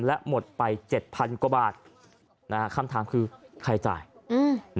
และหมดไปเจ็ดพันกว่าบาทนะฮะคำถามคือใครจ่ายอืม